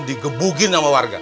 digebugin sama warga